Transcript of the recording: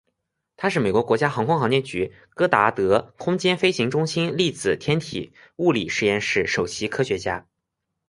他是美国国家航空航天局戈达德空间飞行中心粒子天体物理实验室首席科学家。